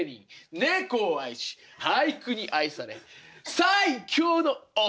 猫を愛し俳句に愛され最強の男！